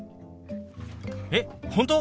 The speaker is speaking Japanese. えっ本当？